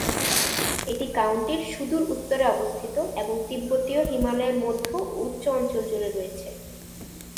এটি কাউন্টির সুদূর উত্তরে অবস্থিত এবং তিব্বতীয় হিমালয়ের মধ্য ও উচ্চ অঞ্চল জুড়ে রয়েছে।